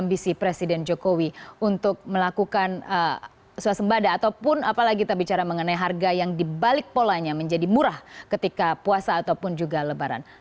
ambisi presiden jokowi untuk melakukan swasembada ataupun apalagi kita bicara mengenai harga yang dibalik polanya menjadi murah ketika puasa ataupun juga lebaran